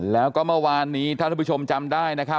แล้วก็เมื่อวานนี้ท่านผู้ชมจำได้